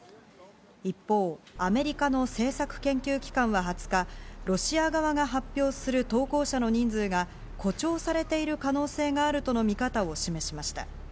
一方、アメリカの政策研究機関は２０日、ロシア側が発表する投降者の人数が誇張されている可能性があるとの見方を示しました。